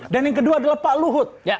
dan yang kedua adalah pak luhut